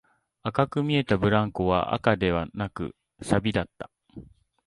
赤く見えたブランコは赤ではなく、錆だった